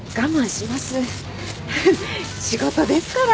フフ仕事ですから。